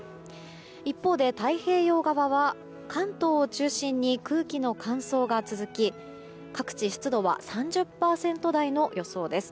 一方で太平洋側は関東を中心に空気の乾燥が続き各地湿度は３０％台の予想です。